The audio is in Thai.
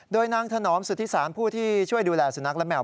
โดยนางถนอมสุธิสารผู้ที่ช่วยดูแลสุนัขและแมว